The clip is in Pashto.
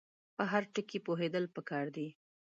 په هر ټکي پوهېدل پکار دي.